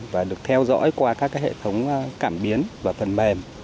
và được theo dõi qua các hệ thống cảm biến và phần mềm